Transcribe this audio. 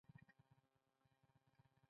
ایا زه باید د پښتورګو عملیات وکړم؟